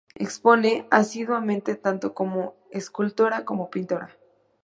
Expone asiduamente, tanto como escultora, como pintora.